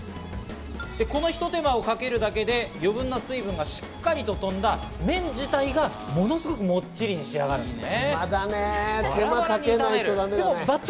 このひと手間をかけるだけで余分な水分がしっかりと飛んだ麺自体がものすごくモッチリと仕上がるんですね。